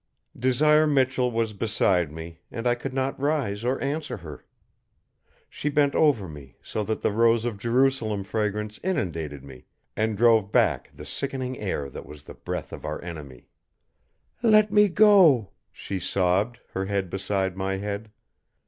Desire Michell was beside me, and I could not rise or answer her. She bent over me, so that the Rose of Jerusalem fragrance inundated me and drove back the sickening air that was the breath of our enemy. "Let me go," she sobbed, her head beside my head.